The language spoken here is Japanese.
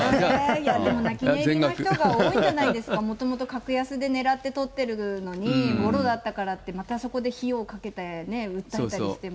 いや、でも泣き寝入りの人も多いんじゃないですか、もともと格安で狙って取ってるのに、ぼろだったからって、またそこで費用かけてね、訴えたりしても。